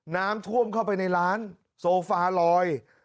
น้ำท่วมเข้าไปในร้านโซฟาลอย